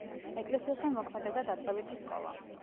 ეკლესიასთან მოქმედებდა დაწყებითი სკოლა.